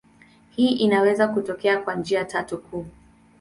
Hii inaweza kutokea kwa njia tatu kuu.